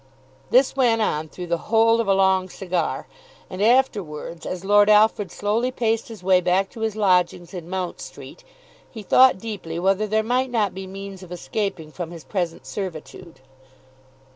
This went on through the whole of a long cigar; and afterwards, as Lord Alfred slowly paced his way back to his lodgings in Mount Street, he thought deeply whether there might not be means of escaping from his present servitude.